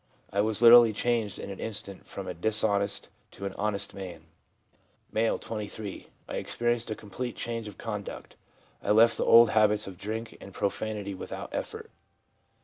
I was literally changed in an instant from a dishonest to an honest man.' M., 23. ' I experienced a complete change of conduct ; I left off the old habits of drink and profanity without efifort.